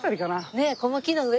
ねえこの木の上かな。